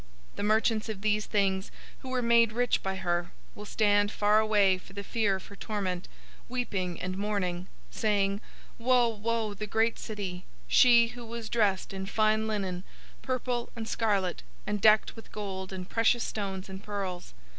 018:015 The merchants of these things, who were made rich by her, will stand far away for the fear of her torment, weeping and mourning; 018:016 saying, 'Woe, woe, the great city, she who was dressed in fine linen, purple, and scarlet, and decked with gold and precious stones and pearls!